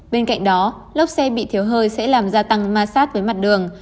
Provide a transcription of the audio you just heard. bên cạnh đó lốp xe bị thiếu hơi sẽ làm gia tăng ma sát với mặt đường